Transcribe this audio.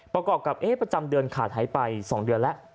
ประกอบกับประจำเดือนขาดหายไป๒เดือนแล้ว